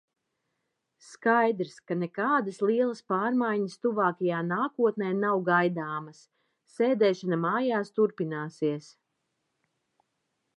Skaidrs, ka nekādas lielas pārmaiņas tuvākajā nākotnē nav gaidāmas, sēdēšana mājās turpināsies.